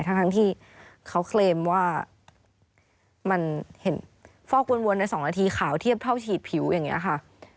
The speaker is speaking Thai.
ทั้งที่เขาเคลมว่ามันเห็นฟอกวนใน๒นาทีขาวเทียบเท่าฉีดผิวอย่างนี้ค่ะ